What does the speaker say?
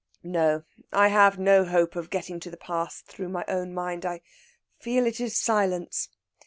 "No, I have no hope of getting to the past through my own mind. I feel it is silence.